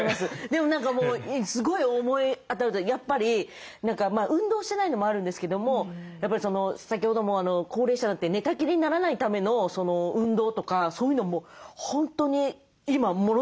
でもすごい思い当たるというかやっぱり運動してないのもあるんですけどもやっぱり先ほども高齢者になって寝たきりにならないための運動とかそういうのも本当に今ものすごい気になります。